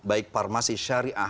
baik parmasi syariah